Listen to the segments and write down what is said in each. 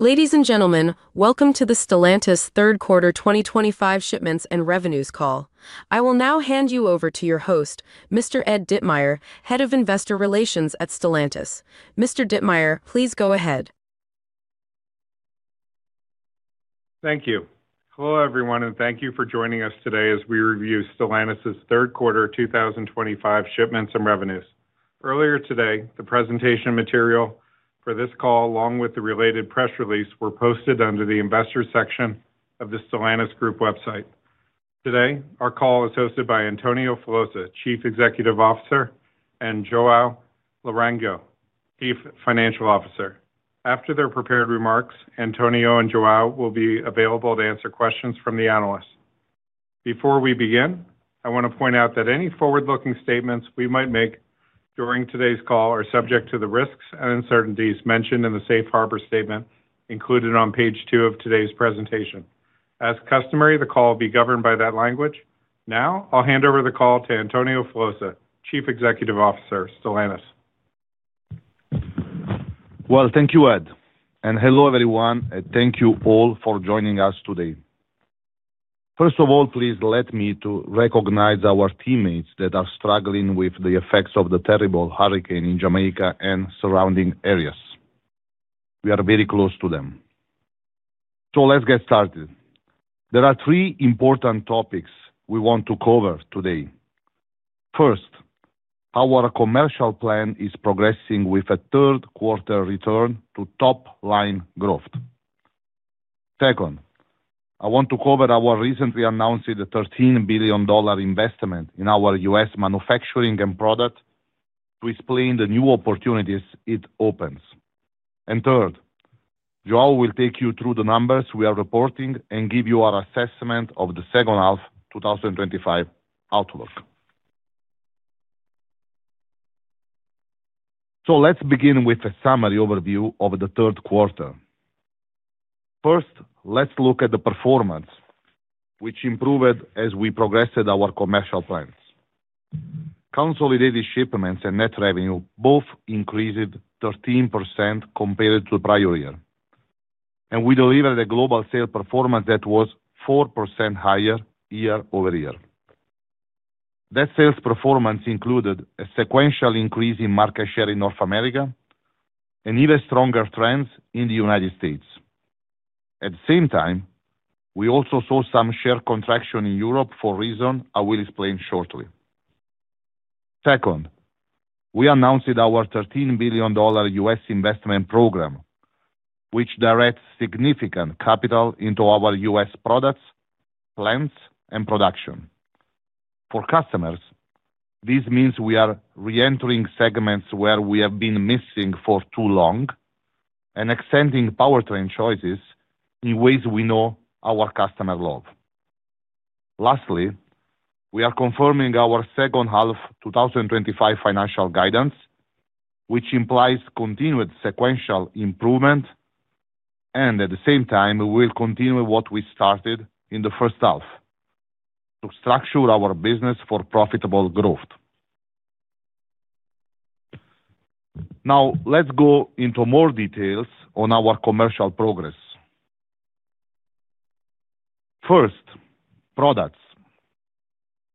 Ladies and gentlemen, welcome to the Stellantis Third Quarter 2025 Shipments and Revenues Call. I will now hand you over to your host, Mr. Ed Ditmire, Head of Investor Relations at Stellantis. Mr. Ditmire, please go ahead. Thank you. Hello everyone and thank you for joining us today as we review Stellantis third quarter 2025 shipments and revenues. Earlier today, the presentation material for this call, along with the related press release, were posted under the Investors section of the Stellantis Group website. Our call is hosted by Antonio Filosa, Chief Executive Officer, and Joao Larangeira, Chief Financial Officer. After their prepared remarks, Antonio and Joao will be available to answer questions from the analysts. Before we begin, I want to point out that any forward looking statements we might make during today's call are subject to the risks and uncertainties mentioned in the safe harbor statement included on page two of today's presentation. As customary, the call will be governed by that language. Now, I'll hand over the call to Antonio Filosa, Chief Executive Officer, Stellantis. Thank you, Ed. Hello everyone. Thank you all for joining us today. First of all, please let me recognize our teammates that are struggling with the effects of the terrible hurricane in Jamaica and surrounding areas. We are very close to them. Let's get started. There are three important topics we want to cover today. First, our commercial plan is progressing with a third quarter return to top line growth. Second, I want to cover our recently announced $13 billion investment in our U.S. manufacturing and product to explain the new opportunities it opens. Third, Joao will take you through the numbers we are reporting and give you our assessment of the second half 2025 outlook. Let's begin with a summary overview of the third quarter. First, let's look at the performance which improved as we progressed. Our commercial plans, consolidated shipments, and net revenue both increased 13% compared to prior year. We delivered a global sales performance that was 4% higher year-over-year. That sales performance included a sequential increase in market share in North America and even stronger trends in the U.S. At the same time, we also saw some share contraction in Europe for reasons I will explain shortly. We announced our $13 billion U.S. investment program which directs significant capital into our U.S. products, plants, and production for customers. This means we are reentering segments where we have been missing for too long and extending powertrain choices in ways we know our customers love. We are confirming our second half 2025 financial guidance which implies continued sequential improvement. At the same time, we will continue what we started in the first half to structure our business for profitable growth. Now let's go into more details on our commercial progress. First, products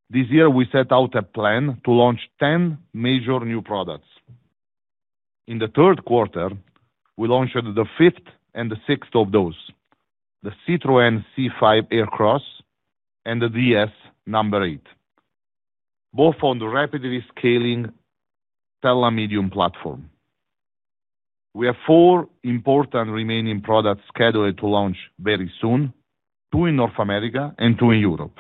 this year we set out a plan to launch 10 major new products in the third quarter. We launched the fifth and the sixth of those, the Citroen C5 Aircross and the DS N°8, both on the rapidly scaling TELA medium platform. We have four important remaining products scheduled to launch very soon, two in North America and two in Europe,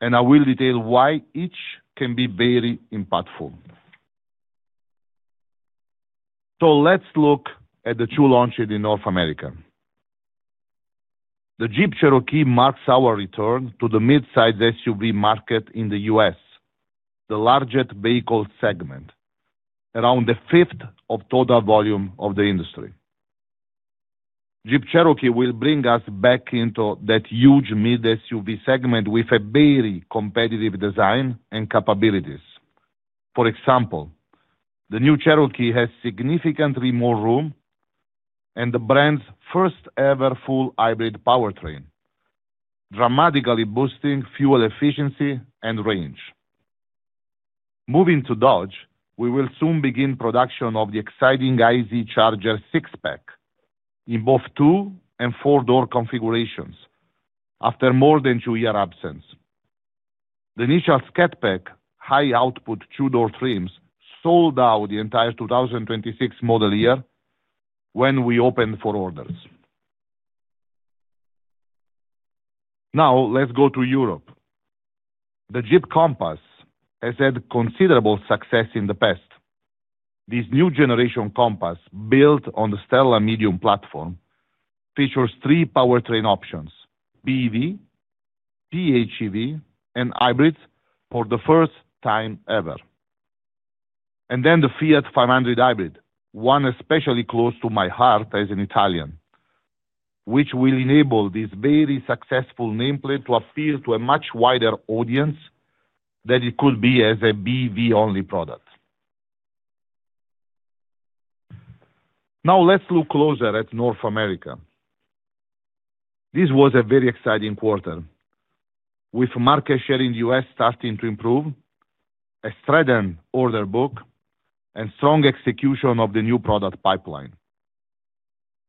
and I will detail why each can be very impactful. Let's look at the two launches in North America. The Jeep Cherokee marks our return to the mid size SUV market in the U.S., the largest vehicle segment around a fifth of total volume of the industry. Jeep Cherokee will bring us back into that huge mid SUV segment with a very competitive design and capabilities. For example, the new Cherokee has significantly more room and the brand's first ever full hybrid powertrain, dramatically boosting fuel efficiency and range. Moving to Dodge, we will soon begin production of the exciting IZ Charger six pack in both two and four door configurations after more than two year absence. The initial Scat Pack high output two door trims sold out the entire 2026 model year. When we open for orders, now let's go to Europe. The Jeep Compass has had considerable success in the past. This new generation Compass, built on the stellar medium platform, features three powertrain options, BEV, PHEV, and hybrids for the first time ever. The Fiat 500 Hybrid, one especially close to my heart as an Italian, will enable this very successful nameplate to appeal to a much wider audience than it could be as a BEV only product. Now let's look closer at North America. This was a very exciting quarter with market share in the U.S. starting to improve, a strident order book, and strong execution of the new product pipeline.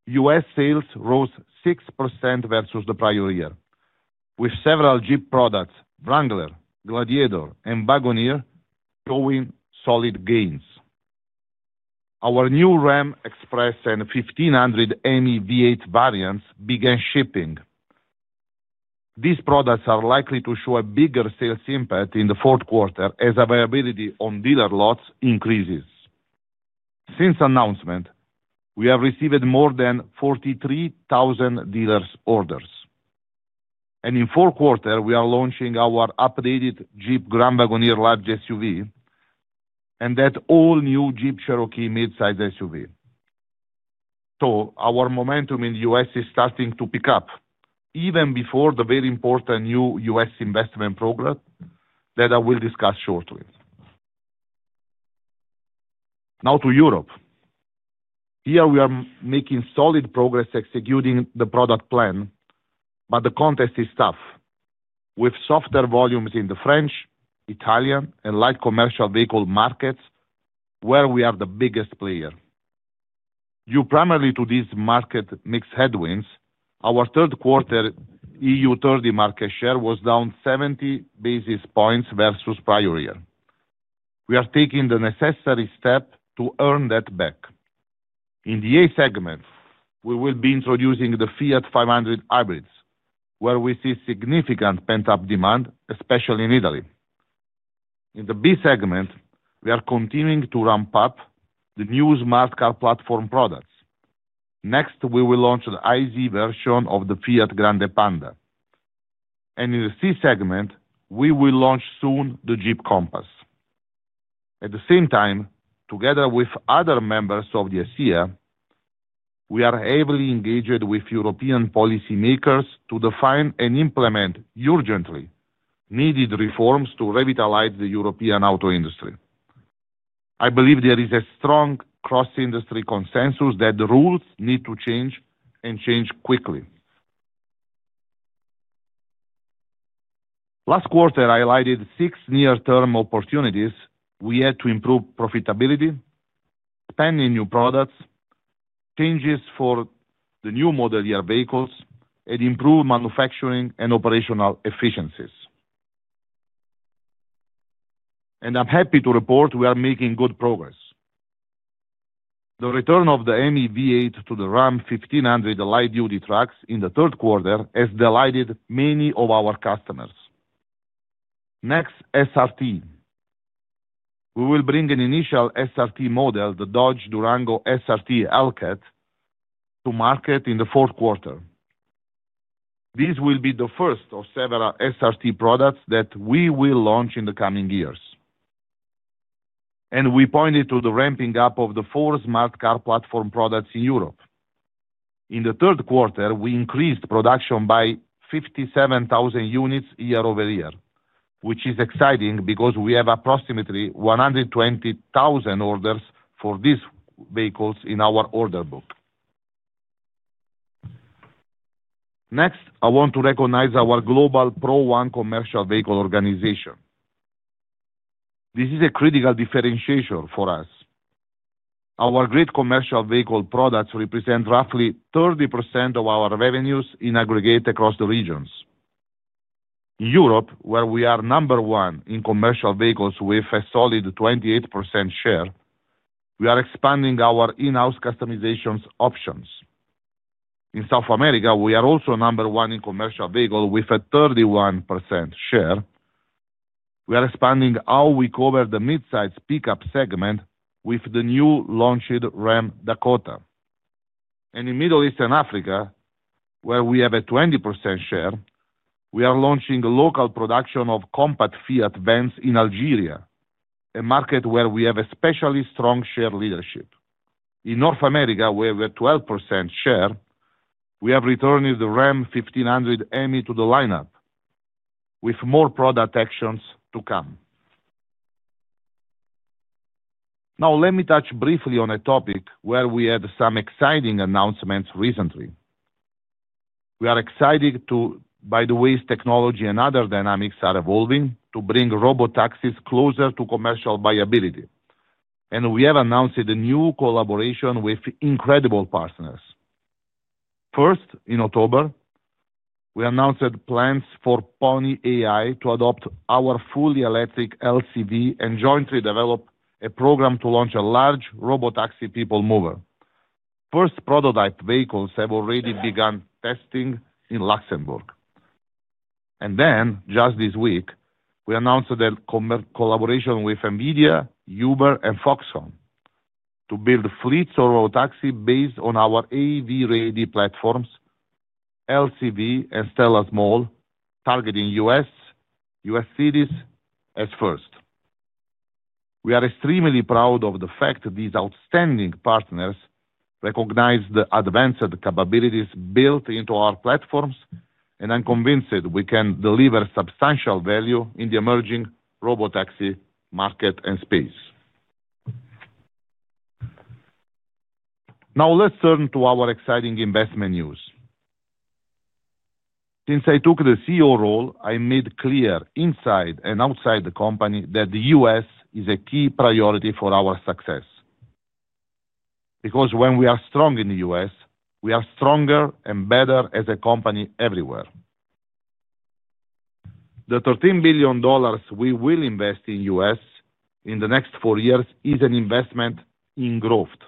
U.S. sales rose 6% versus the prior year with several Jeep products, Wrangler, Gladiator, and Wagoneer showing solid gains. Our new Ram Express and 1500 Hemi V8 variants began shipping. These products are likely to show a bigger sales impact in the fourth quarter as availability on dealer lots increases. Since announcement, we have received more than 43,000 dealer orders and in fourth quarter we are launching our updated Jeep Grand Wagoneer large SUV and that all new Jeep Cherokee midsize SUV. Our momentum in the U.S. is starting to pick up even before the very important new U.S. investment program that I will discuss shortly. Now to Europe. Here we are making solid progress executing the product plan, but the contest is tough with softer volumes in the French, Italian, and light commercial vehicle markets where we are the biggest player. Due primarily to these market mix headwinds, our third quarter EU30 market share was down 70 basis points versus prior year. We are taking the necessary step to earn that back. In the A segment, we will be introducing the Fiat 500 Hybrids where we see significant pent up demand, especially in Italy. In the B segment, we are continuing to ramp up the new smart car platform products. Next we will launch an IZ version of the Fiat Grande Panda and in the C segment we will launch soon the Jeep Compass. At the same time, together with other members of the ASEA, we are heavily engaged with European policymakers to define and implement Europe's urgently needed reforms to revitalize the European auto industry. I believe there is a strong cross-industry consensus that the rules need to change and change quickly. Last quarter highlighted six near-term opportunities we had to improve profitability, spending, new products, changes for the new model year vehicles, and improved manufacturing and operational efficiencies, and I'm happy to report we are making good progress. The return of the MEV8 to the Ram 1500 light duty trucks in the third quarter has delighted many of our customers. Next SRT, we will bring an initial SRT model, the Dodge Durango SRT Hellcat, to market in the fourth quarter. This will be the first of several SRT products that we will launch in the coming years, and we pointed to the ramping up of the four smart car platform products in Europe. In the third quarter, we increased production by 57,000 units year-over-year, which is exciting because we have approximately 120 orders for these vehicles in our order book. Next, I want to recognize our global PRO1 commercial vehicle organization. This is a critical differentiation for us. Our great commercial vehicle products represent roughly 30% of our revenues in aggregate across the regions. Europe, where we are number one in commercial vehicles with a solid 28% share, we are expanding our in-house customization options. In South America, we are also number one in commercial vehicles with a 31% share, we are expanding how we cover the mid-size pickup segment with the new launched Ram Dakota, and in Middle East and Africa, where we have a 20% share, we are launching local production of compact Fiat vans. In Algeria, a market where we have especially strong share leadership. In North America, where we have a 12% share, we have returned the Ram 1500 ME to the lineup with more product actions to come. Now let me touch briefly on a topic where we had some exciting announcements recently. We are excited by the ways technology and other dynamics are evolving to bring Robotaxis closer to commercial viability, and we have announced a new collaboration with incredible partners. First, in October we announced plans for Pony AI to adopt our fully electric LCV and jointly develop a program to launch a large Robotaxi people mover. First prototype vehicles have already begun testing in Luxembourg, and then just this week we announced a collaboration with Nvidia, Uber, and Foxconn to build fleet Solo Taxi based on our AV ready platforms LCV and Stella Small targeting U.S. cities as first. We are extremely proud of the fact these outstanding partners recognize the advanced capabilities built into our platforms, and I'm convinced we can deliver substantial value in the emerging Robotaxi market and space. Now let's turn to our exciting investment news. Since I took the CEO role, I made clear inside and outside the company that the U.S. is a key priority for our success because when we are strong in the U.S. we are stronger and better as a company everywhere. The $13 billion we will invest in the U.S. in the next four years is an investment in growth.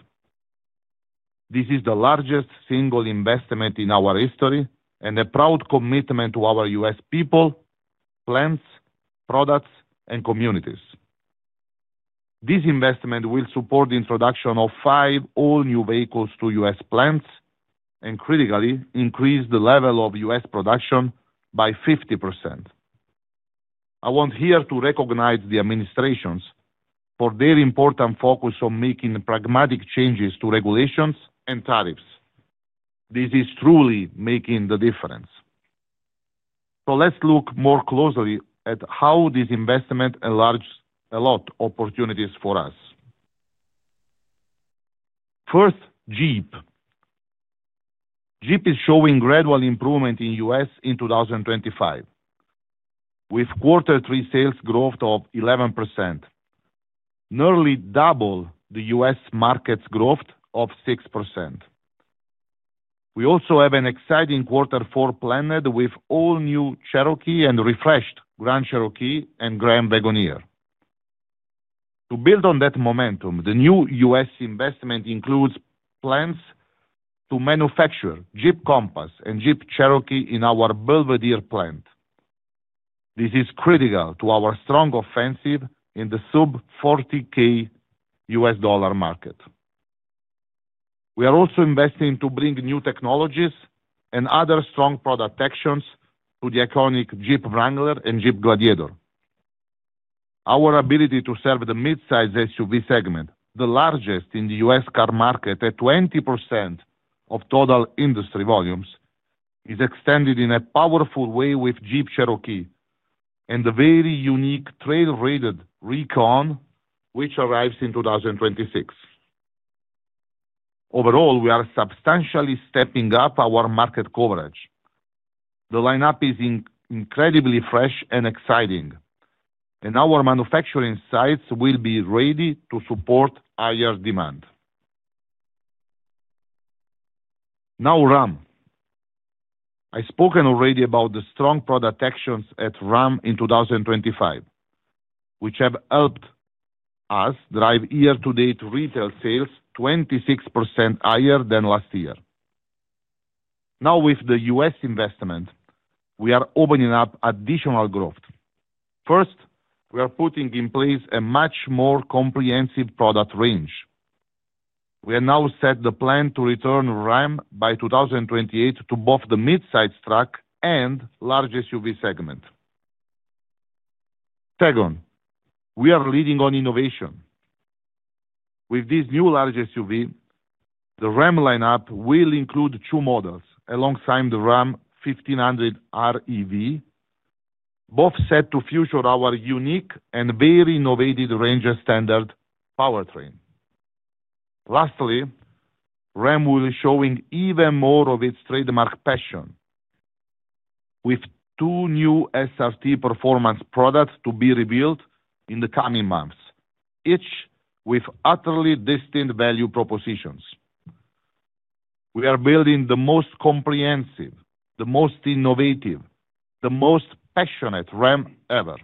This is the largest single investment in our history and a proud commitment to our U.S. people, plants, products, and communities. This investment will support the introduction of five all new vehicles to U.S. plants and critically increase the level of U.S. production by 50%. I want here to recognize the administrations for their important focus on making pragmatic changes to regulations and tariffs. This is truly making the difference. Let's look more closely at how this investment enlarges a lot of opportunities for us. First Jeep. Jeep is showing gradual improvement in the U.S. in 2025 with quarter three sales growth of 11%, nearly double the U.S. market's growth of 6%. We also have an exciting quarter four planned with all-new Cherokee and refreshed Grand Cherokee and Grand Wagoneer. To build on that momentum, the new U.S. investment includes plans to manufacture Jeep Compass and Jeep Cherokee in our Belvidere plant. This is critical to our strong offensive in the sub $40,000 U.S. dollar market. We are also investing to bring new technologies and other strong product actions to the iconic Jeep Wrangler and Jeep Gladiator. Our ability to serve the midsize SUV segment, the largest in the U.S. car market at 20% of total industry volumes, is extended in a powerful way with Jeep Cherokee and the very unique Trail Rated Recon which arrives in 2026. Overall, we are substantially stepping up our market coverage. The lineup is incredibly fresh and exciting, and our manufacturing sites will be ready to support higher demand. Now Ram. I have spoken already about the strong product actions at Ram in 2025 which have helped us drive year-to-date retail sales 26% higher than last year. Now with the U.S. investment, we are opening up additional growth. First, we are putting in place a much more comprehensive product range. We have now set the plan to return Ram by 2028 to both the midsize truck and large SUV segment. Second, we are leading on innovation with this new large SUV. The Ram lineup will include two models alongside the Ram 1500 Rev, both set to feature our unique and very innovative Ranger standard powertrain. Lastly, Ram will be showing even more of its trademark passion with two new SRT performance products to be revealed in the coming months, each with utterly distinct value propositions. We are building the most comprehensive, the most innovative, the most passionate Ram ever.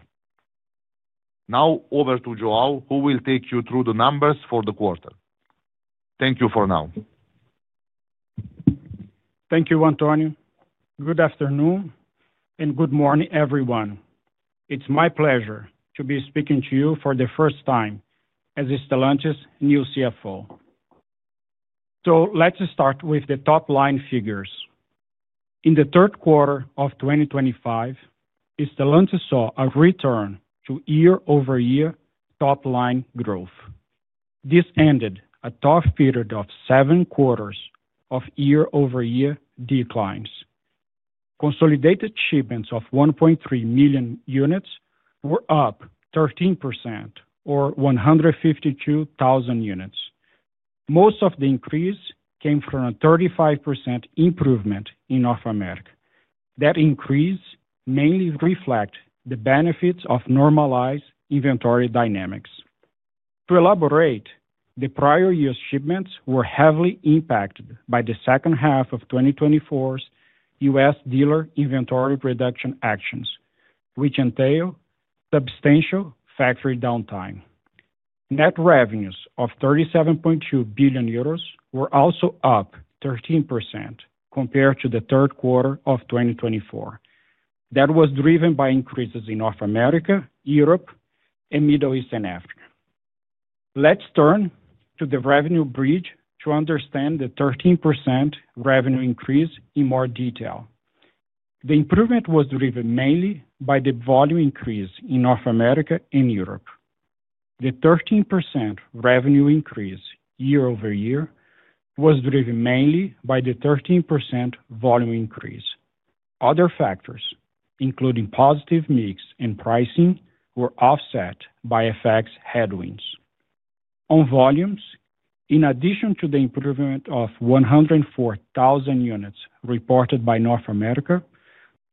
Now over to Joao who will take you through the numbers for the quarter. Thank you for now. Thank you, Antonio. Good afternoon and good morning, everyone. It's my pleasure to be speaking to you for the first time as Stellantis' new CFO. Let's start with the top line figures. In the third quarter of 2025, Stellantis saw a return to year-over-year top line growth. This ended a tough period of seven quarters of year-over-year declines. Consolidated shipments of 1.3 million units were up 13%, or 152,000 units. Most of the increase came from a 35% improvement in North America. That increase mainly reflects the benefits of normalized inventory dynamics. To elaborate, the prior year's shipments were heavily impacted by the second half of 2024's U.S. dealer inventory reduction actions, which entailed substantial factory downtime. Net revenues of €37.2 billion were also up 13% compared to the third quarter of 2024. That was driven by increases in North America, Europe, and Middle East and Africa. Let's turn to the revenue bridge to understand the 13% revenue increase in more detail. The improvement was driven mainly by the volume increase in North America and Europe. The 13% revenue increase year-over-year was driven mainly by the 13% volume increase. Other factors, including positive mix and pricing, were offset by FX headwinds on volumes. In addition to the improvement of 104,000 units reported by North America,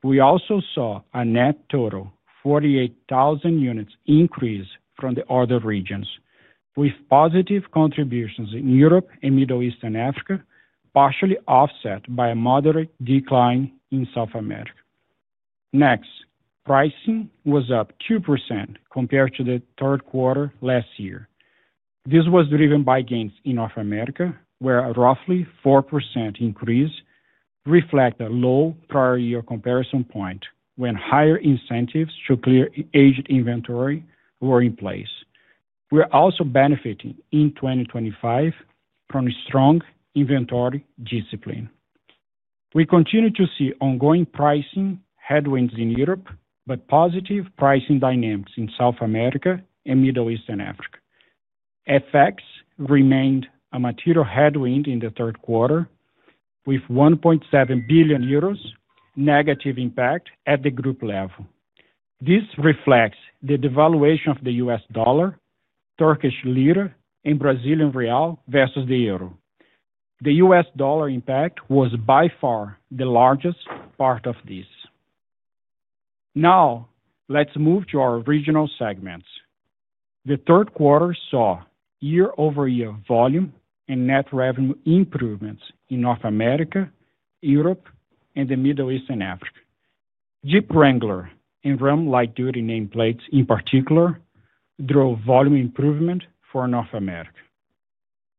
we also saw a net total 48,000 units increase from the other regions, with positive contributions in Europe and Middle East and Africa, partially offset by a moderate decline in South America. Next, pricing was up 2% compared to the third quarter last year. This was driven by gains in North America, where a roughly 4% increase reflects a low prior year comparison point when higher incentives to clear aged inventory were in place. We are also benefiting in 2025 from strong inventory discipline. We continue to see ongoing pricing headwinds in Europe, but positive pricing dynamics in South America and Middle East and Africa. FX remained a material headwind in the third quarter, with €1.7 billion negative impact at the group level. This reflects the devaluation of the U.S. Dollar, Turkish Lira, and Brazilian Real versus the Euro. The U.S. Dollar impact was by far the largest part of this. Now let's move to our regional segments. The third quarter saw year-over-year volume and net revenue improvements in North America, Europe, and the Middle East and Africa. Jeep Wrangler and Ram light duty nameplates in particular drove volume improvement for North America.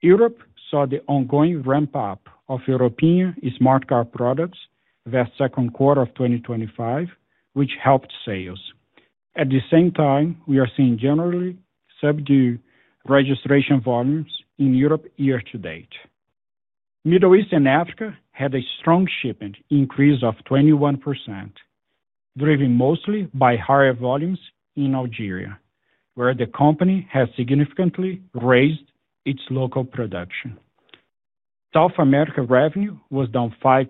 Europe saw the ongoing ramp up of European smart car products in the second quarter of 2025, which helped sales. At the same time, we are seeing generally subdued registration volumes in Europe. Year to date, Middle East and Africa had a strong shipment increase of 21% driven mostly by higher volumes in Algeria, where the company has significantly raised its local production. South America revenue was down 5%.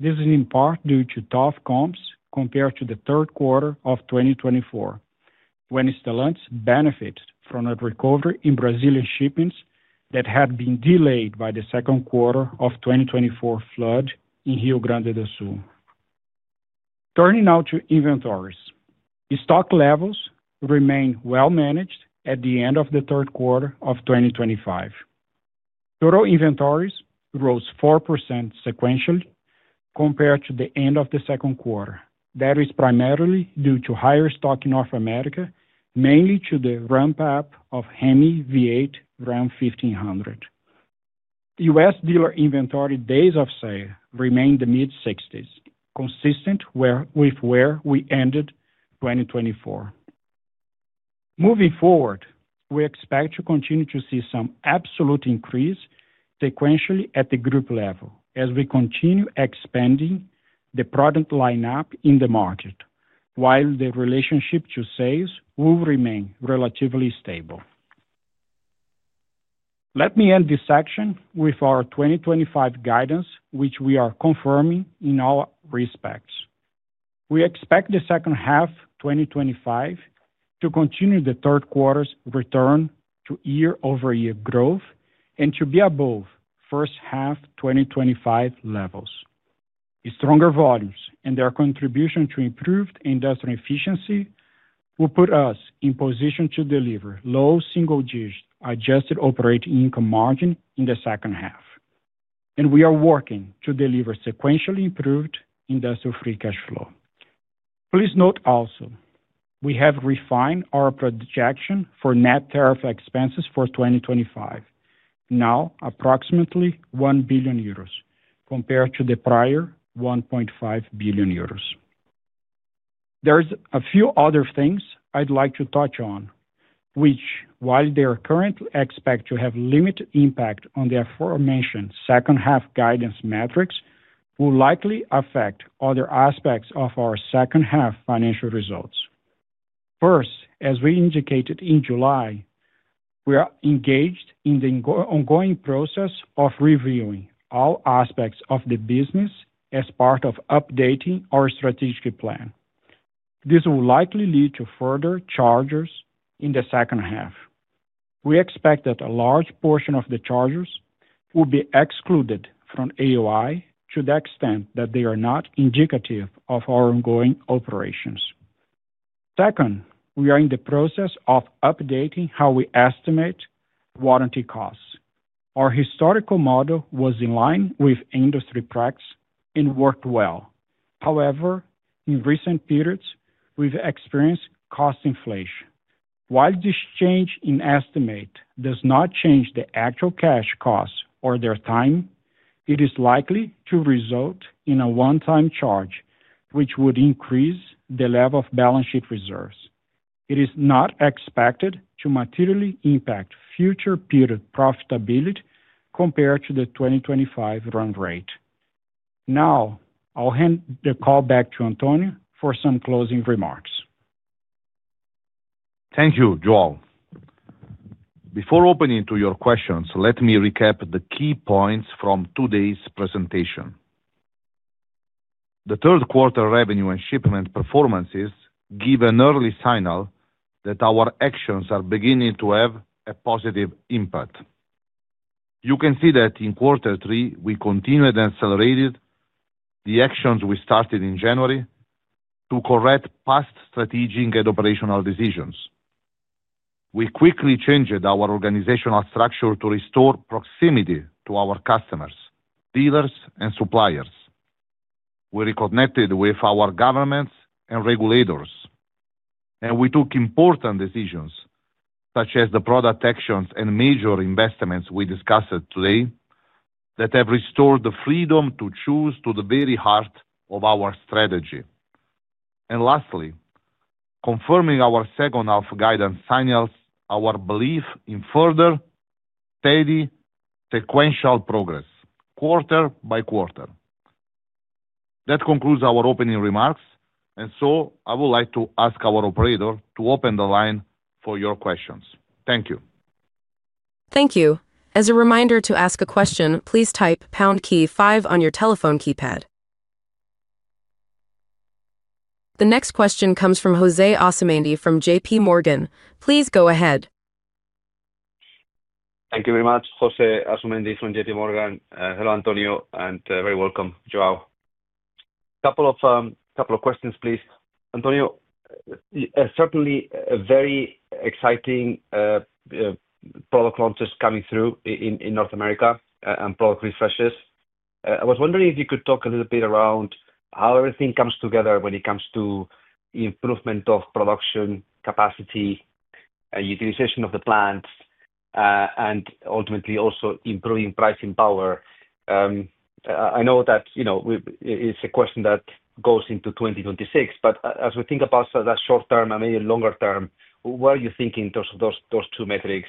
This is in part due to tough comps compared to the third quarter of 2024, when Stellantis benefited from a recovery in Brazilian shipments that had been delayed by the second quarter of 2024 flood in Rio Grande del Sul. Turning now to inventories, stock levels remain well managed. At the end of the third quarter of 2025, total inventories rose 4% sequentially compared to the end of the second quarter. That is primarily due to higher stock in North America, mainly due to the ramp up of Hemi V8 Ram 1500. U.S. dealer inventory days of sale remained in the mid-60s, consistent with where we ended 2024. Moving forward, we expect to continue to see some absolute increase sequentially at the group level as we continue expanding the product lineup in the market, while the relationship to sales will remain relatively stable. Let me end this section with our 2025 guidance, which we are confirming in all respects. We expect the second half 2025 to continue the third quarter's return to year-over-year growth and to be above first half 2025 levels. Stronger volumes and their contribution to improved industrial efficiency will put us in position to deliver low single digit adjusted operating income margin in the second half, and we are working to deliver sequentially improved industrial free cash flow. Please note also we have refined our projection for net tariff expenses for 2025, now approximately €1 billion compared to the prior €1.5 billion. There are a few other things I'd like to touch on, which, while they are currently expected to have limited impact on the aforementioned second half guidance metrics, will likely affect other aspects of our second half financial results. First, as we indicated in July, we are engaged in the ongoing process of reviewing all aspects of the business as part of updating our strategic plan. This will likely lead to further charges in the second half. We expect that a large portion of the charges will be excluded from AOI to the extent that they are not indicative of our ongoing operations. Second, we are in the process of updating how we estimate warranty costs. Our historical model was in line with industry practice and worked well. However, in recent periods we've experienced cost inflation. While this change in estimate does not change the actual cash costs or their time, it is likely to result in a one time charge, which would increase the level of balance sheet reserves. It is not expected to materially impact future period profitability compared to the 2025 run rate. Now I'll hand the call back to Antonio for some closing remarks. Thank you, Joao. Before opening to your questions, let me recap the key points from today's presentation. The third quarter revenue and shipment performances give an early signal that our actions are beginning to have a positive impact. You can see that in quarter three we continued and accelerated the actions we started in January to correct past strategic and operational decisions. We quickly changed our organizational structure to restore proximity to our customers, dealers, and suppliers. We reconnected with our governments and regulators, and we took important decisions such as the product actions and major investments we discussed today that have restored the freedom to choose to the very heart of our strategy. Lastly, confirming our second half guidance signals our belief in further steady sequential progress quarter by quarter. That concludes our opening remarks. I would like to ask our operator to open the line for your questions Thank you. Thank you. As a reminder to ask a question, please type pound key five on your telephone keypad. The next question comes from José Osamendi from JP Morgan. Please go ahead. Thank you very much. José Osamendi from JP Morgan. Hello Antonio, and very welcome. Joao. Couple of questions please. Antonio. Certainly a very exciting product launches coming through in North America and product refreshes. I was wondering if you could talk. A little bit around how everything comes together, when it comes to improvement of production capacity, utilization of the plants, and ultimately also improving pricing power, I know that it's a question that goes into 2026. As we think about that short term and maybe longer term, what are you thinking in terms of those two metrics?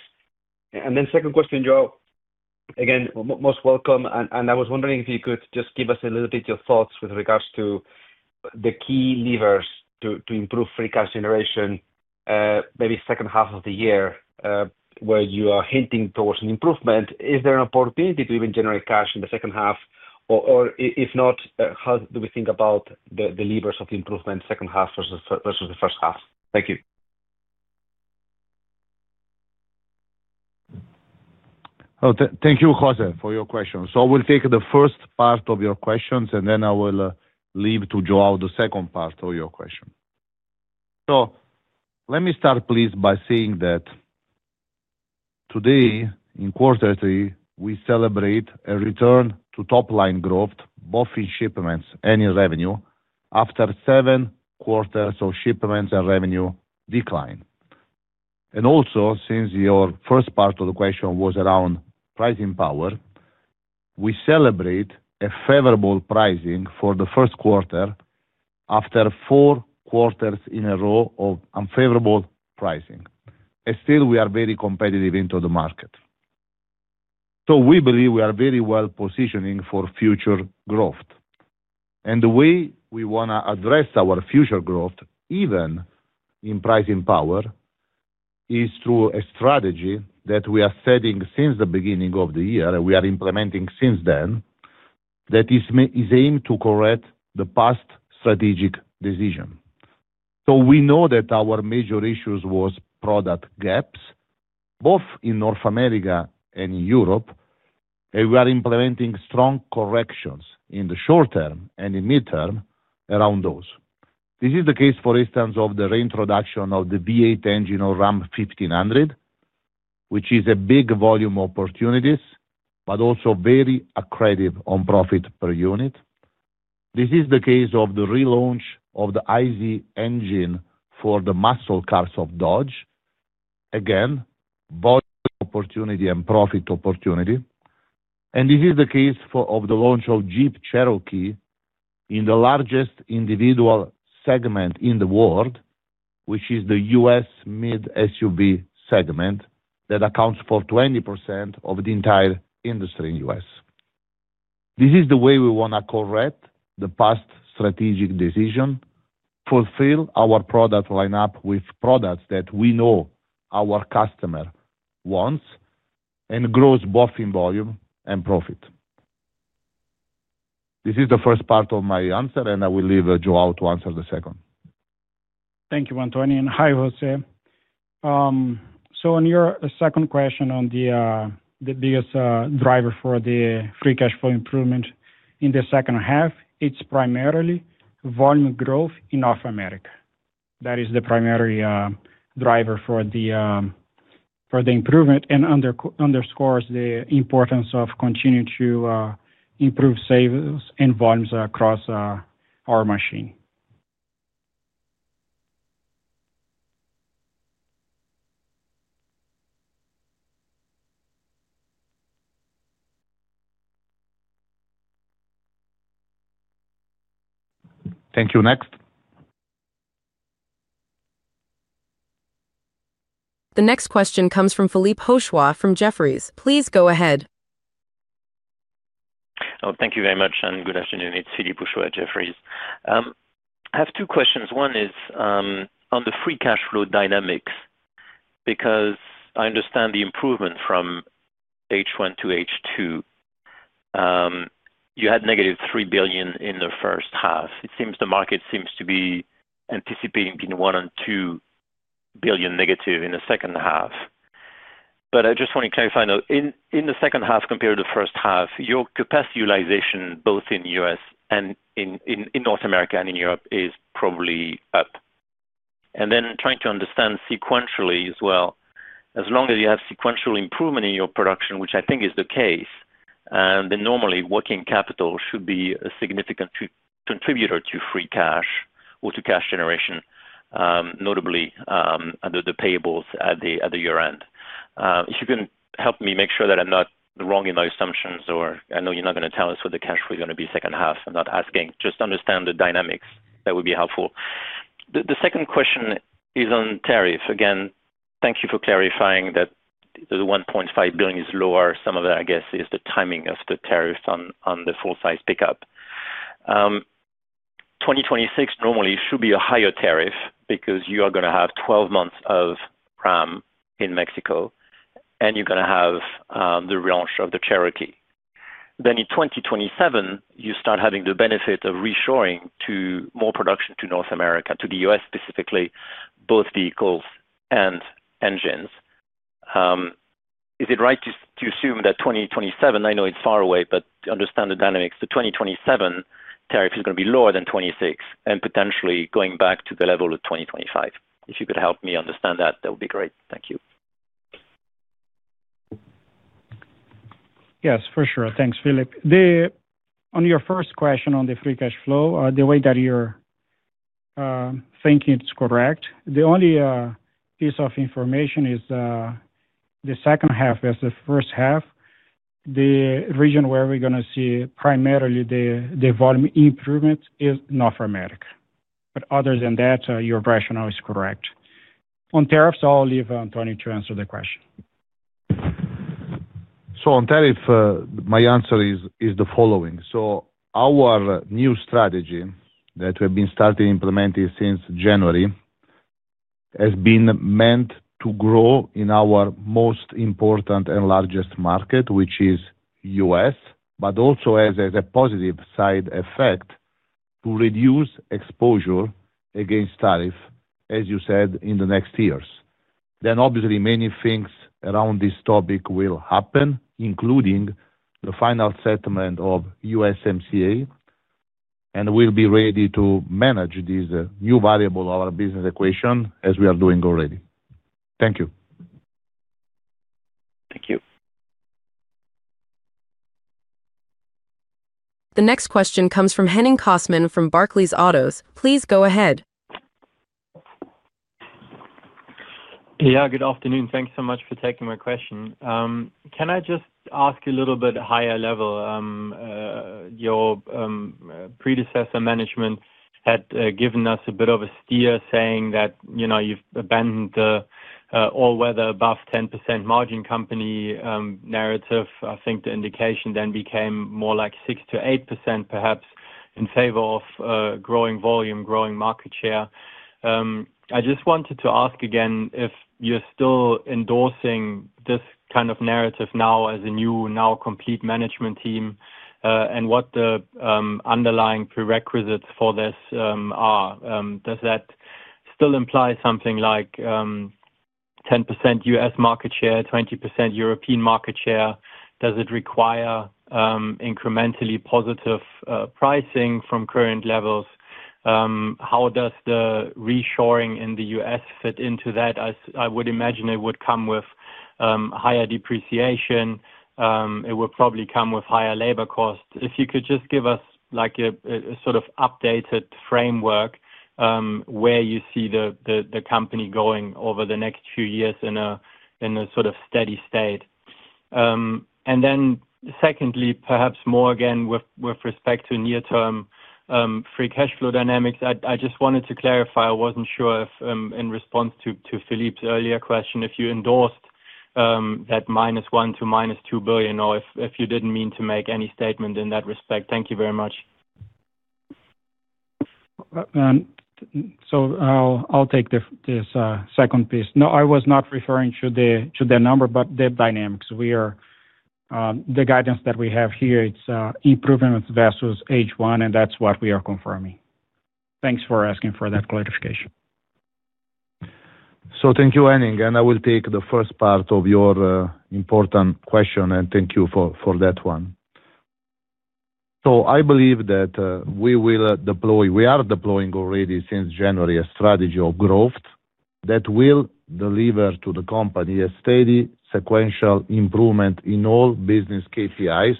Then, second question Joao, again, most welcome. I was wondering if you could just give us a little bit your thoughts with regards to the key levers to improve free cash generation. Maybe second half of the year, where you are hinting towards an improvement. Is there an opportunity to even generate cash in the second half? If not, how do we think about the levers of improvement second half versus the first half? Thank you. Thank you, José, for your question. We'll take the first part of your questions and then I will leave to Joao the second part of your question. Let me start please by saying that today in quarter three, we celebrate a return to top line growth both in shipments and in revenue, after seven quarters of shipments and revenue decline. Also, since your first part of the question was around pricing power, we celebrate a favorable pricing for the first quarter after four quarters in a row of unfavorable pricing. Still, we are very competitive into the market. We believe we are very well positioning for future growth. The way we want to address our future growth, even in pricing power, is through a strategy that we are setting since the beginning of the year and we are implementing since then that is aimed to correct the past strategic decision. We know that our major issues was product gaps both in North America and in Europe. We are implementing strong corrections in the short term and in midterm around those. This is the case for instance of the reintroduction of the V8 engine or Ram 1500, which is a big volume opportunities, but also very accretive on profit per unit. This is the case of the relaunch of the IZ engine for the muscle cars of Dodge. Again, volume opportunity and profit opportunity. This is the case of the launch of Jeep Cherokee in the largest individual segment in the world, which is the U.S. mid SUV segment that accounts for 20% of the entire industry in U.S. This is the way we want to correct the past strategic decision, fulfill our product lineup with products that we know our customer wants and grows both in volume and profit. This is the first part of my answer and I will leave Joao to answer the second. Thank you, Antonio. Hi, José. On your second question on the biggest driver for the free cash flow improvement in the second half, it's primarily volume growth in North America that is the primary driver for the improvement and underscores the importance of continuing to improve savings and volumes across our machine. Thank you. Next. The next question comes from Philippe Houchois from Jefferies. Please go ahead. Thank you very much and good afternoon. It's Philippe Houchois Jefferies. I have two questions. One is on the free cash flow dynamics, because I understand the improvement from H1-H2, you had -$3 billion in the first half. It seems the market seems to be anticipating between -$1 billion and -$2 billion in the second half. I just want to clarify, in the second half compared to the first half, your capacity utilization both in the U.S. and in North America and in Europe is probably up. Trying to understand sequentially as well, as long as you have sequential improvement in your production, which I think is the case, then normally working capital should be a significant contributor to free cash or to cash generation, notably the payables at the year end. If you can help me make sure that I'm not wrong in my assumptions or I know you're not going to tell us what the cash flow is going to be second half, I'm not asking, just understand the dynamics. That would be helpful. The second question is on tariff. Thank you for clarifying that. The $1.5 billion is lower. Some of that I guess is the timing of the tariffs on the full size pickup. 2026 normally should be a higher tariff because you are going to have 12 months of Ram in Mexico and you're going to have the ramp of the Cherokee. In 2027 you start having the benefit of reshoring to more production to North America, to the U.S. specifically both vehicles and engines. Is it right to assume that 2027, I know it's far away, but understand the dynamics, the 2027 tariff is going to be lower than 2026 and potentially going back to the level of 2025. If you could help me understand that, that would be great. Thank you Yes, for sure. Thanks, Philippe. On your first question on the free cash flow, the way that you're thinking, it's correct. The only piece of information is the second half as the first half. The region where we're going to see primarily the volume improvement is North America. Other than that, your rationale is correct. On tariffs, I'll leave Antonio to answer the question. On tariff, my answer is the following. Our new strategy that we have been starting implementing since January has been meant to grow in our most important and largest market, which is U.S., but also has a positive side effect to reduce exposure against tariff, as you said in the next years. Obviously, many things around this topic will happen, including the final settlement of USMCA, and we'll be ready to manage this new variable, our business equation, as we are doing already. Thank you. Thank you. The next question comes from Henning Kosman from Barclays Autos. Please go ahead. Yeah, good afternoon. Thanks so much for taking my question. Can I just ask a little bit higher level? Your predecessor management had given us a bit of a steer, saying that, you know, you've abandoned the all weather above 10% margin company narrative. I think the indication then became more like 6%-8%, perhaps in favor of growing volume, growing market share. I just wanted to ask again if you're still endorsing this kind of narrative now as a new, now complete management team and what the underlying prerequisites for this are. Does that still imply something like 10% U.S. market share, 20% European market share? Does it require incrementally positive pricing from current levels? How does the reshoring in the U.S. fit into that? I would imagine it would come with higher depreciation, it would probably come with higher labor costs. If you could just give us like a sort of updated framework where you see the company going over the next few years in a sort of steady state. Secondly, perhaps more again with respect to near term free cash flow dynamics. I just wanted to clarify, I wasn't sure if, in response to Philippe's earlier question, if you endorsed that -$1 billion to -$2 billion, or if you didn't mean to make any statement in that respect. Thank you very much. I'll take this second piece. No, I was not referring to the number, but the dynamics, the guidance that we have here, it's improvements, vessels, H1, and that's what we are confirming. Thanks for asking for that clarification. Thank you. Henning and I will take the first part of your important question and thank you for that one. I believe that we will deploy, we are deploying already since January, a strategy of growth that will deliver to the company a steady sequential improvement in all business KPIs,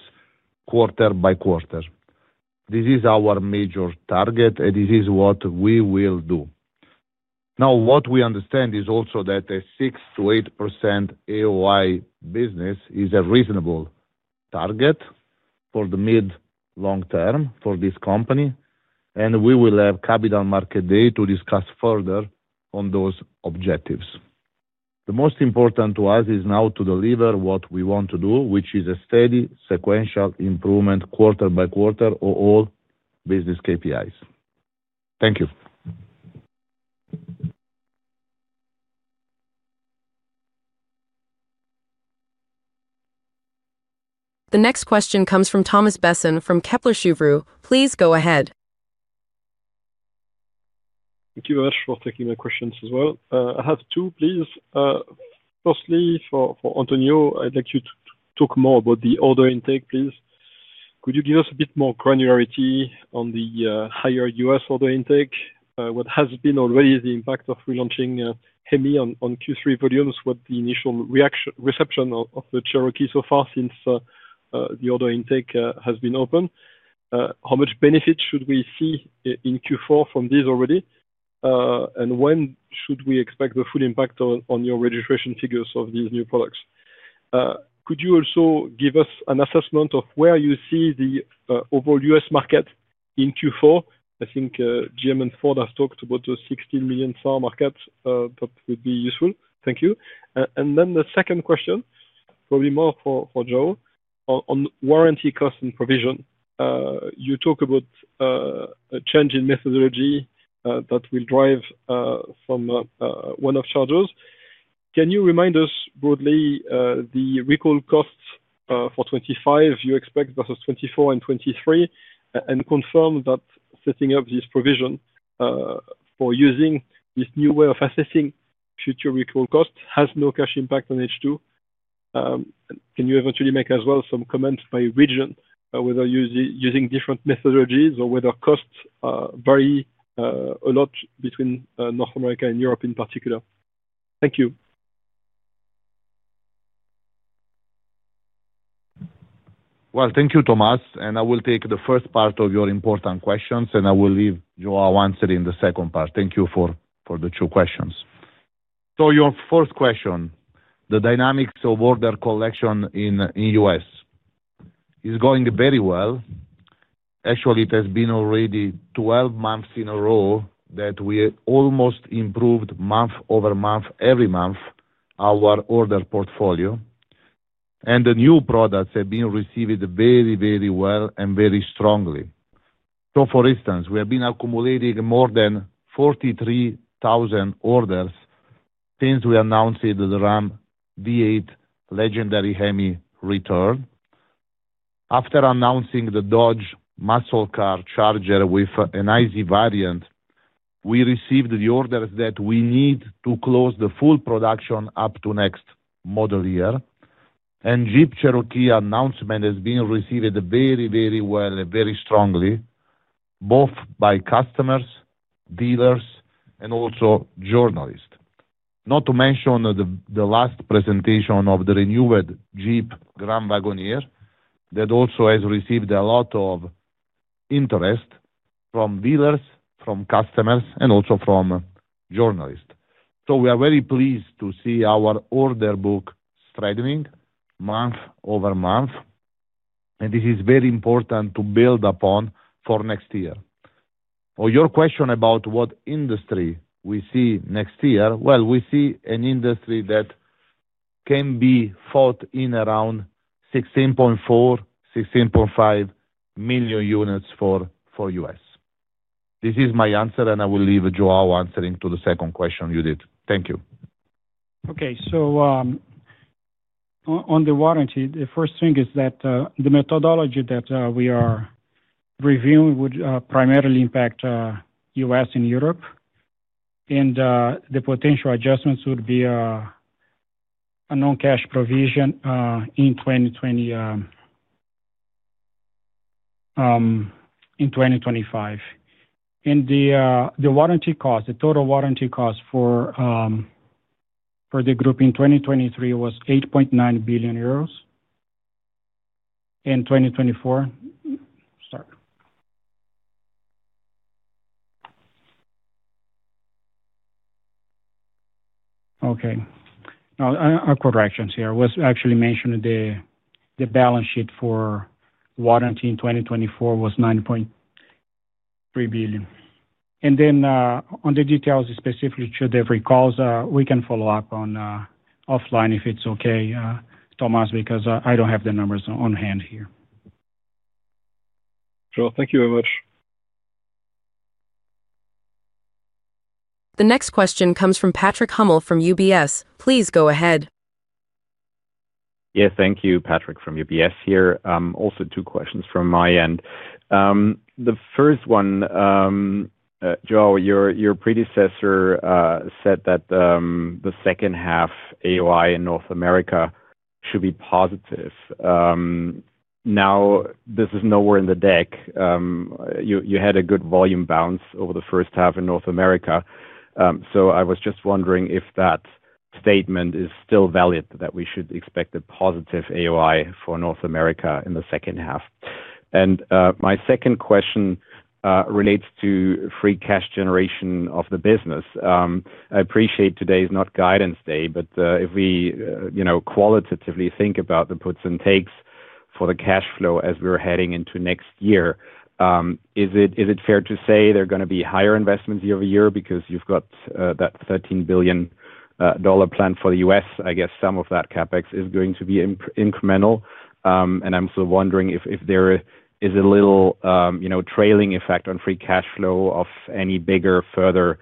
quarter by quarter. This is our major target and this is what we will do. What we understand is also that a 6%-8% adjusted operating income margin business is a reasonable target for the mid to long term for this company. We will have Capital Market Day to discuss further on those objectives. The most important to us is now to deliver what we want to do, which is a steady sequential improvement quarter by quarter of all business KPIs. Thank you. The next question comes from Thomas Besson, from Kepler Cheuvreux. Please go ahead. Thank you very much for taking my questions as well. I have two, please. Firstly for Antonio, I'd like you to talk more about the order intake, please. Could you give us a bit more granularity on the higher U.S. order intake? What has been already the impact of relaunching Hemi on Q3 volumes? What the initial reception of the Cherokee so far since the order intake has been open? How much benefit should we see in Q4 from these already? When should we expect the full impact on your registration figures of these new products? Could you also give us an assessment of where you see the overall U.S. market in Q4? I think GM and Ford have talked about the 16 million SAR market. That would be useful. Thank you. The second question, probably more for Joao, on warranty cost and provision. You talk about a change in methodology that will drive from one-off charges. Can you remind us broadly the recall costs for 2025 you expect versus 2024 and 2023 and confirm that setting up this provision for using this new way of assessing future recall cost has no cash impact on H2? Can you eventually make as well some comments by region, whether using different methodologies or whether costs vary a lot between North America and Europe in particular? Thank you. Thank you. Thomas and I will take the first part of your important questions and I will leave Joao answering the second part. Thank you for the two questions. Your first question, the dynamics of order collection in the U.S. is going very well. Actually, it has been already 12 months in a row that we almost improved month over month, every month, our order portfolio and the new products have been received very, very well and very strongly. For instance, we have been accumulating more than 43,000 orders since we announced the Ram 1500 with Hemi V8 legendary Hemi return. After announcing the Dodge Charger muscle car with an IZ variant, we received the orders that we need to close the full production up to next model year. The Jeep Cherokee announcement has been received very, very well, very strongly, both by customers, dealers and also journalists. Not to mention the last presentation of the renewed Jeep Grand Wagoneer that also has received a lot of interest from dealers, from customers and also from journalists. We are very pleased to see our order book strengthening month over month. This is very important to build upon for next year. Your question about what industry we see next year? We see an industry that can be fought in around 16.4 million, 16.5 million units for us. This is my answer and I will leave Joao answering to the second question. You did, thank you. Okay, on the warranty, the first thing is that the methodology that we are reviewing would primarily impact the U.S. and Europe. The potential adjustments would be a non-cash provision in 2025. The total warranty cost for the group in 2023 was €8.9 billion. In 2024, sorry, corrections here, I was actually mentioning the balance sheet for warranty in 2024, which was €9.3 billion. On the details, specifically to the recalls, we can follow up offline if it's okay, Thomas, because I don't have the numbers on hand here. Thank you very much. The next question comes from Patrick Hummel from UBS. Please go ahead. Yeah, thank you. Patrick from UBS here. Also, two questions from my end. The first one, Joao, your predecessor said that the second half AOI in North America should be positive. Now, this is nowhere in the deck. You had a good volume bounce over the first half in North America. I was just wondering if that statement is still valid, that we should expect a positive AOI for North America in the second half. My second question relates to free cash generation of the business. I appreciate today is not guidance day, but if we qualitatively think about the puts and takes for the cash flow as we're heading into next year, is it fair to say they're going to be higher investments year-over-year? Because you've got that $13 billion plan for the U.S. I guess some of that CapEx is going to be incremental and I'm still wondering if there is a little trailing effect on free cash flow of any bigger further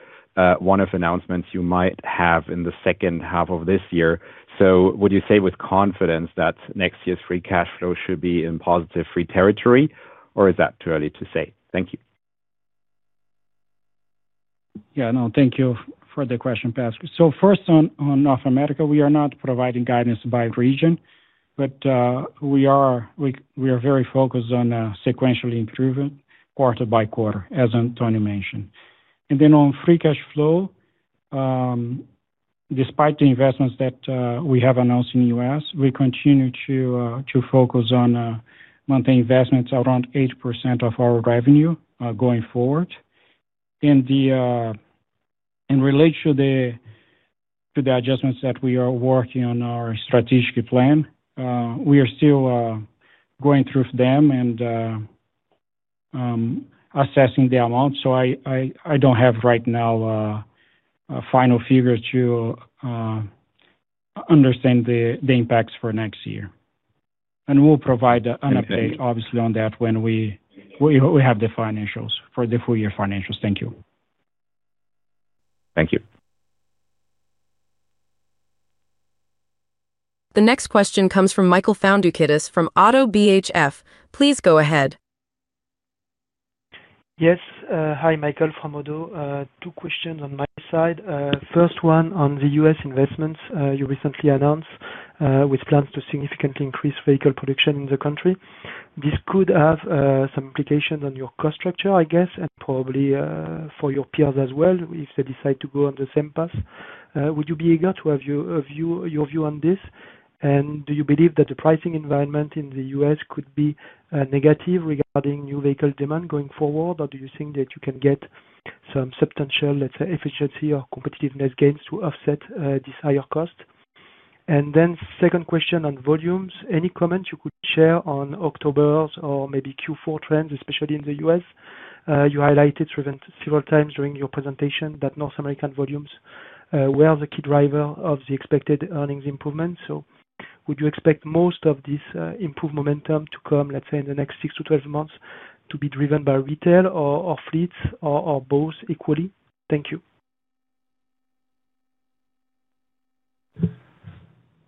one-off announcements you might have in the second half of this year. Would you say with confidence that next year's free cash flow should be in positive free territory, or is that too early to say? Thank you. Yeah, no, thank you for the question, Pasco. First, on North America, we are not providing guidance by region, but we are very focused on sequentially improving quarter by quarter, as Antonio mentioned, and then on free cash flow. Despite the investments that we have announced in the U.S., we continue to focus on monthly investments around 8% of our revenue going forward in relation to the adjustments that we are working on in our strategic plan. We are still going through them and assessing the amount. I don't have right now a final figure to understand the impacts for next year. We'll provide an update obviously on that when we have the financials for the full year. Thank you. Thank you. The next question comes from Michael Foundukidis from ODDO BHF. Please go ahead. Yes, hi, Michael from ODDO. Two questions on my side. First one on the U.S. investments you recently announced with plans to significantly increase vehicle production in the country. This could have some implications on your cost structure, I guess, and probably for your peers as well if they decide to go on the same path. I would be eager to have your view on this, and do you believe that the pricing environment in the U.S. could be negative regarding new vehicle demand going forward? Do you think that you can get some substantial efficiency or competitiveness gains to offset this higher cost? Second question on volumes. Any comments you could share on October or maybe Q4 trends, especially in the U.S.? You highlighted several times during your presentation that North American volumes were the key driver of the expected earnings improvement. Would you expect most of this improved momentum to come, let's say, in the next six to twelve months, to be driven by retail or fleets or both equally? Thank you.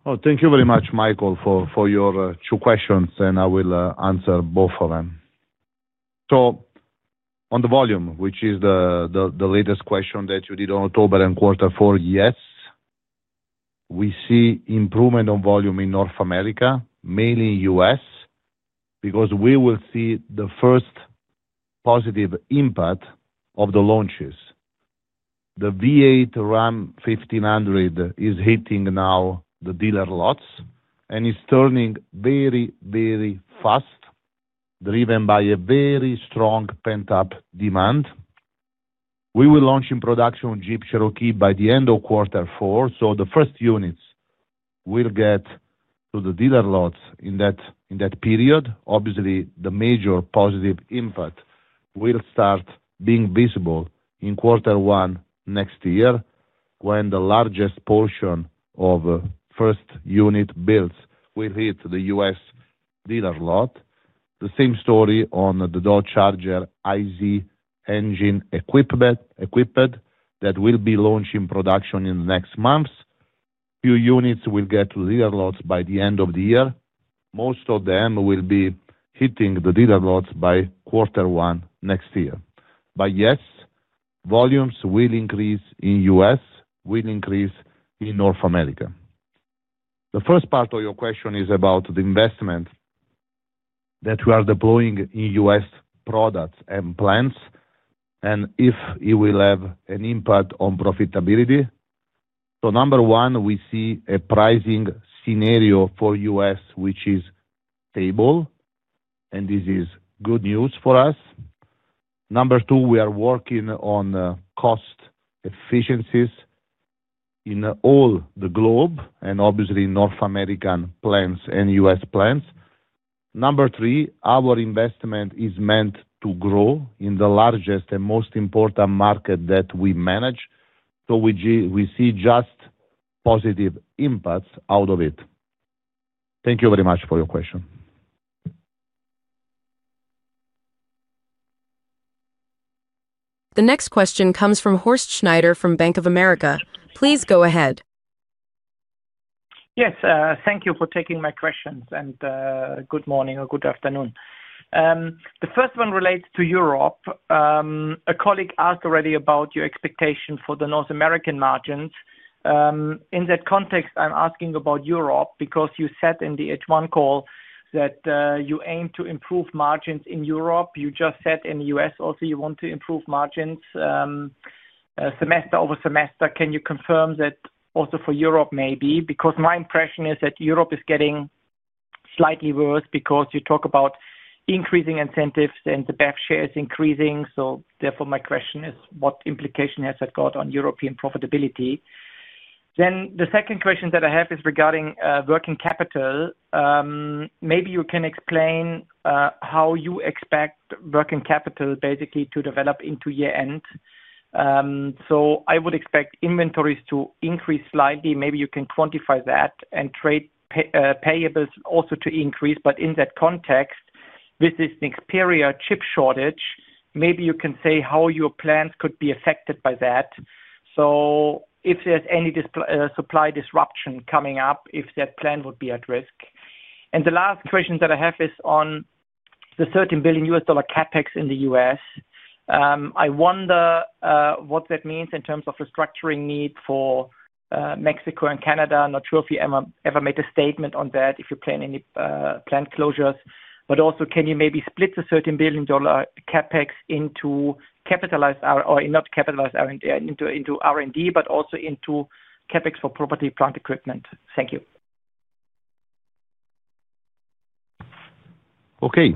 Thank you very much, Michael, for your two questions, and I will answer both of them. On the volume, which is the latest question that you did on October and quarter four, yes, we see improvement on volume in North America, mainly U.S. because we will see the first positive impact of the launches. The Ram 1500 with Hemi V8 is hitting now the dealer lots, and it's turning very, very, very fast, driven by a very strong pent-up demand. We will launch in production Jeep Cherokee by the end of quarter four, so the first units will get to the dealer lots in that period. Obviously, the major positive impact will start being visible in quarter one next year when the largest portion of first unit builds will hit the U.S. dealer lot. The same story on the Dodge Charger IZ engine equipped that will be launching production in the next months. Few units will get to dealer lots by the end of the year. Most of them will be hitting the dealer lots by quarter one next year. Yes, volumes will increase in U.S., will increase in North America. The first part of your question is about the investment that we are deploying in U.S. products and plants and if it will have an impact on profitability. Number one, we see a pricing scenario for us which is stable, and this is good news for us. Number two, we are working on cost efficiencies in all the globe and obviously North American plants and U.S. plants. Number three, our investment is meant to grow in the largest and most important market that we manage. We see just positive impacts out of it. Thank you very much for your question. The next question comes from Horst Schneider from Bank of America. Please go ahead. Yes, thank you for taking my questions and good morning or good afternoon. The first one relates to Europe. A colleague asked already about your expectation for the North American margins. In that context, I'm asking about Europe because you said in the H1 call that you aim to improve margins in Europe. You just said in the U.S. also you want to improve margins semester over semester. Can you confirm that also for Europe? Maybe, because my impression is that Europe is getting slightly worse because you talk about increasing incentives and the BEV shares increasing. Therefore, my question is what implication has that got on European profitability? The second question that I have is regarding working capital. Maybe you can explain how you expect working capital basically to develop into year end. I would expect inventories to increase slightly, maybe you can quantify that and trade payables also to increase. In that context, this is an experience chip shortage. Maybe you can say how your plans could be affected by that. If there's any supply disruption coming up, if that plan would be at risk. The last question that I have is on the $13 billion U.S. dollar CapEx in the U.S. I wonder what that means in terms of restructuring need for Mexico and Canada. Not sure if you ever made a statement on that. If you plan any plant closures. Also, can you maybe split the $13 billion CapEx into capitalized or not capitalized R&D, into R&D but also into CapEx for property, plant, equipment. Thank you. Okay,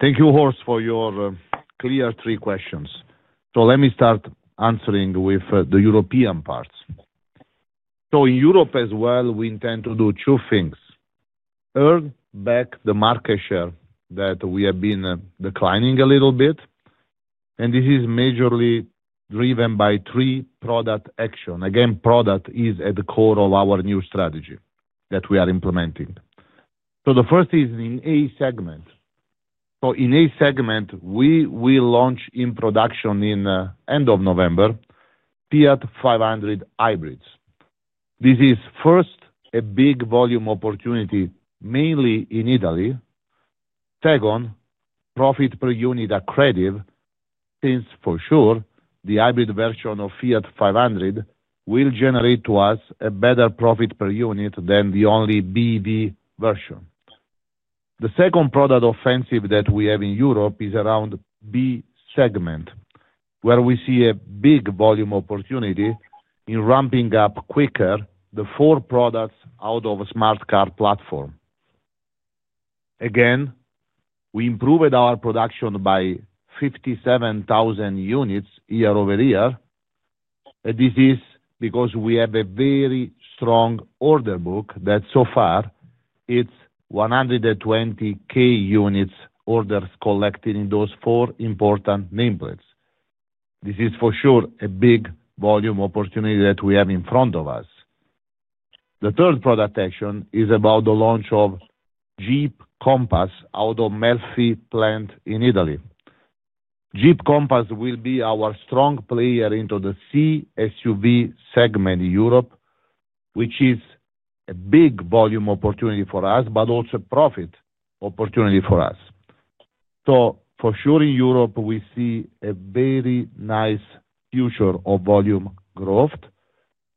thank you, Horst, for your clear three questions. Let me start answering with the European parts. In Europe as well, we intend to do two things: earn back the market share that we have been declining a little bit. This is majorly driven by three product actions. Again, product is at the core of our new strategy that we are implementing. The first is in A segment. In A segment, we will launch in production at the end of November Fiat 500 Hybrid. This is first a big volume opportunity, mainly in Italy. Second, profit per unit accretive since for sure the hybrid version of Fiat 500 will generate to us a better profit per unit than the only BEV version. The second product offensive that we have in Europe is around B segment, where we see a big volume opportunity in ramping up quicker the four products out of a smart car platform. Again, we improved our production by 57,000 units year-over-year. This is because we have a very strong order book that so far is 120,000 units orders collected in those four important nameplates. This is for sure a big volume opportunity that we have in front of us. The third product action is about the launch of Jeep Compass out of Melfi plant in Italy. Jeep Compass will be our strong player into the C SUV segment in Europe, which is a big volume opportunity for us, but also profit opportunity for us. For sure, in Europe we see a very nice future of volume growth,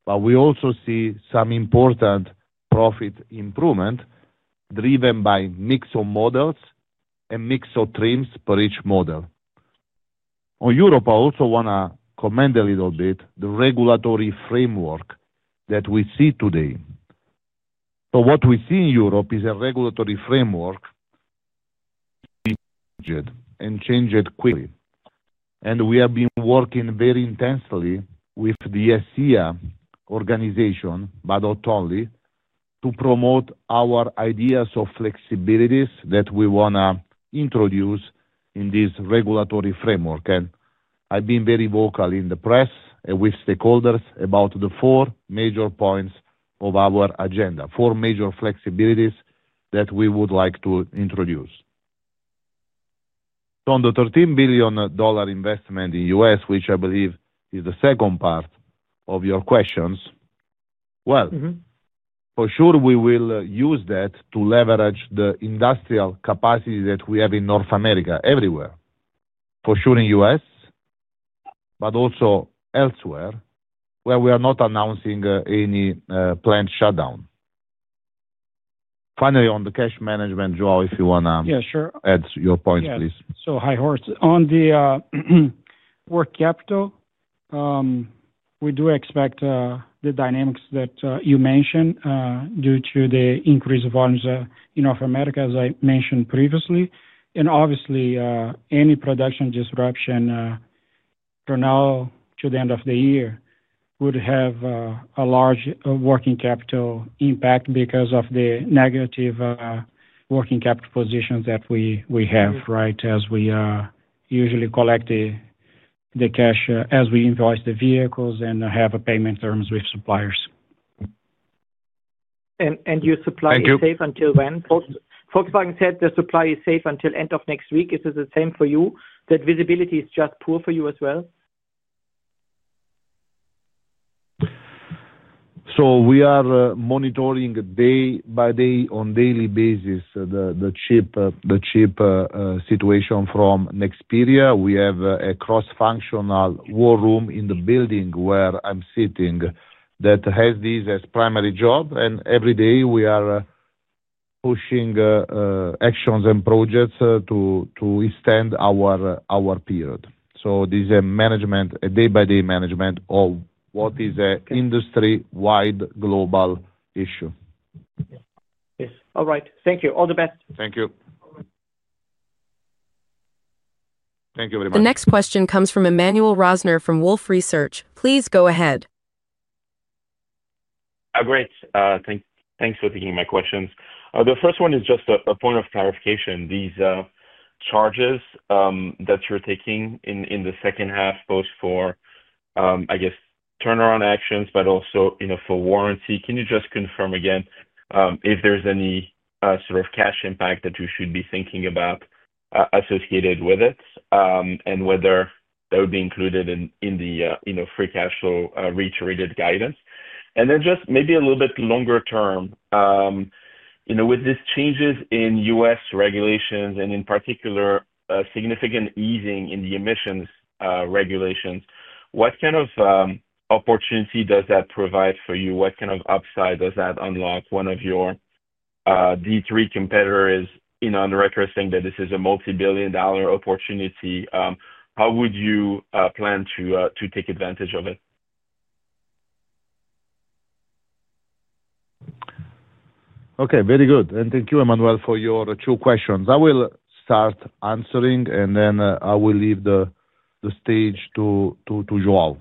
but we also see some important profit improvement driven by mix of models and mix of trims per each model. On Europe, I also want to comment a little bit on the regulatory framework that we see today. What we see in Europe is a regulatory framework changing quickly. We have been working very intensely with the ACEA organization, but not only, to promote our ideas of flexibilities that we want to introduce in this regulatory framework. I have been very vocal in the press with stakeholders about the four major points of our agenda, four major flexibilities that we would like to introduce. On the $13 billion investment in the U.S., which I believe is the second part of your questions, for sure we will use that to leverage the industrial capacity that we have in North America, everywhere for sure in the U.S. but also elsewhere, where we are not announcing any planned shutdown. Finally, on the cash management. Joao, if you want to add your points, please. Hi Horst, on the working capital, we do expect the dynamics that you mentioned due to the increase of volumes in North America, as I mentioned previously, and obviously any production disruption from now to the end of the year would have a large working capital impact because of the negative working capital positions that we have. We usually collect the cash as we invoice the vehicles and have payment terms with suppliers. Is your supply safe until when Volkswagen said the supply is safe until end of next week? Is it the same for you? That visibility is just poor for you as well. We are monitoring day by day, on a daily basis, the chip situation from next period. We have a cross-functional war room in the building where I am sitting that has this as its primary job. Every day we are pushing actions and projects to extend our period. This is a day by day management of what is an industry-wide global issue. Yes. All right, thank you. All the best. Thank you. The next question comes from Emmanuel Rosner from Wolfe Research. Please go ahead. Great, thanks. Thanks for taking my questions. The first one is just a point of clarification. These charges that you're taking in the second half, both for I guess turnaround. Actions, but also for warranty. Can you just confirm again if there's any sort of cash impact that you should be thinking about associated with it, and whether that would be included in the free cash flow reiterated guidance. Maybe a little bit longer term with these changes in U.S. regulations. In particular, significant easing in the emissions regulations, what kind of opportunity does that provide for you? What kind of upside does that unlock one of your D3 competitors is on record saying that this is a multi-billion dollar opportunity. How would you plan to take advantage of it? Okay, very good and thank you Emmanuel for your two questions. I will start answering and then I will leave the stage to Joao.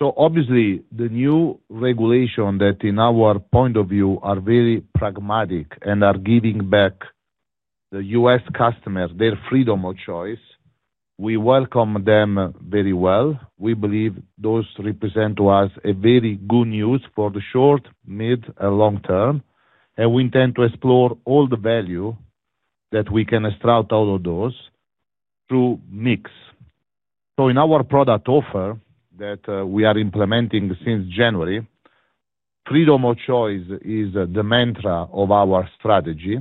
Obviously, the new regulation that in our point of view are very pragmatic and are giving back the U.S. customers their freedom of choice. We welcome them very well. We believe those represent to us very good news for the short, mid, and long term. We intend to explore all the value that we can extract out of those through mics. In our product offer that we are implementing since January, freedom of choice is the mantra of our strategy.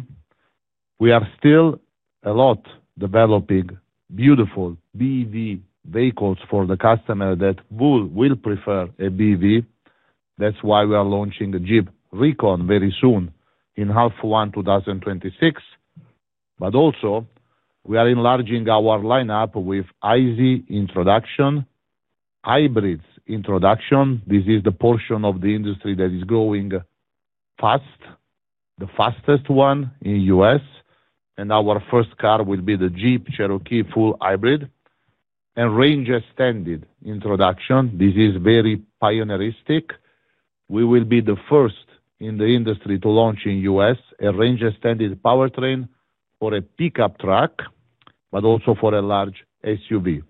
We are still a lot developing beautiful BEV vehicles for the customer that will prefer a BEV. That's why we are launching a Jeep Recon very soon in half 1 2026. We are also enlarging our lineup with IZ introduction, hybrids introduction. This is the portion of the industry that is growing fast, the fastest one in the U.S., and our first car will be the Jeep Cherokee full hybrid and range extended introduction. This is very pioneeristic. We will be the first in the industry to launch in the U.S. a range extended powertrain for a pickup truck, but also for a large SUV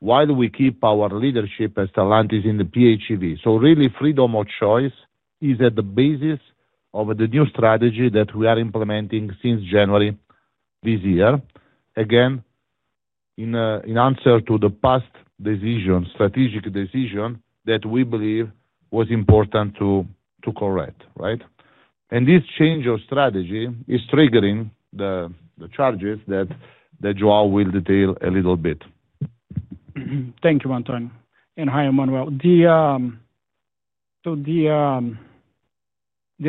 while we keep our leadership as Stellantis in the PHEV. Freedom of choice is at the basis of the new strategy that we are implementing since January this year, in answer to the past strategic decision that we believe was important to correct. This change of strategy is triggering the charges that Joao will detail a little bit. Thank you Antonio and hi Emmanuel. The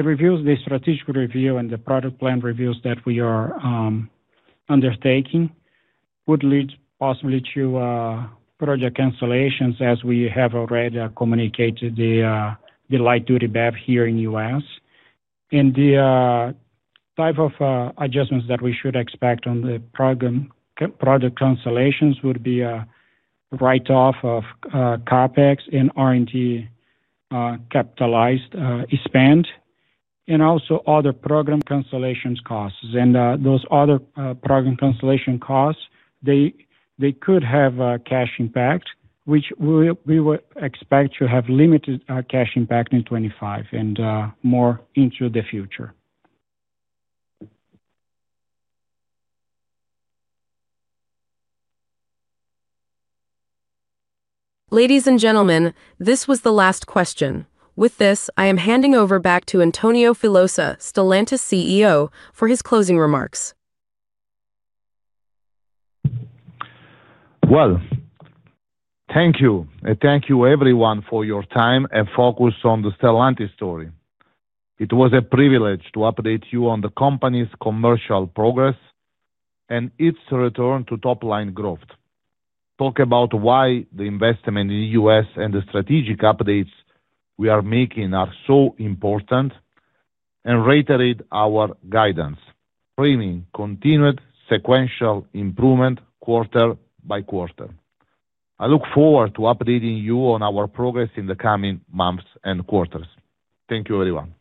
reviews, the strategic review and the product plan reviews that we are undertaking would lead to possibly to project cancellations as we have already communicated the light duty BEV here in the U.S., and the type of adjustments that we should expect on the product cancellations would be write-off of CapEx and R&D capitalized spend, and also other program cancellation costs. Those other program cancellation costs could have a cash impact, which we would expect to have limited cash impact in 2025 and more into the future. Ladies and gentlemen, this was the last question. With this, I am handing over back to Antonio Filosa, Stellantis CEO, for his closing remarks. Thank you and thank you everyone for your time and focus on the Stellantis story. It was a privilege to update you on the company's commercial progress and its return to top line growth. I talk about why the investment in us and the strategic updates we are making are so important, and reiterate our guidance framing continued sequential improvement quarter by quarter. I look forward to updating you on our progress in the coming months and quarters. Thank you everyone.